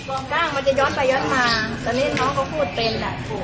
อ่าไอ้มันจะย้อนไปย้อนมาแต่นี่น้องเขาพูดติดอ่ะ